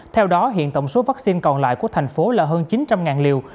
theo đó hiện tổng số vaccine còn lại của thành phố là hơn chín trăm linh liều